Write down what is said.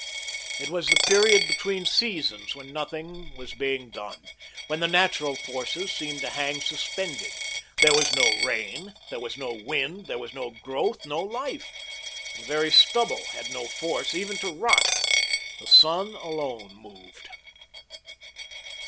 It was the period between seasons, when nothing was being done, when the natural forces seemed to hang suspended. There was no rain, there was no wind, there was no growth, no life; the very stubble had no force even to rot. The sun alone moved.